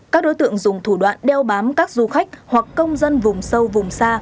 các đối tượng dùng thủ đoạn đeo bám các du khách hoặc công dân vùng sâu vùng xa